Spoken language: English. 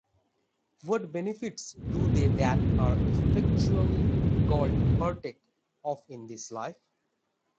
What benefits do they that are effectually called partake of in this life?